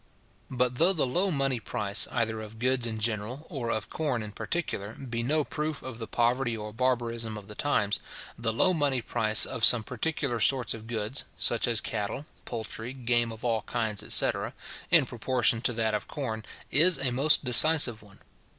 But though the low money price, either of goods in general, or of corn in particular, be no proof of the poverty or barbarism of the times, the low money price of some particular sorts of goods, such as cattle, poultry, game of all kinds, etc. in proportion to that of corn, is a most decisive one.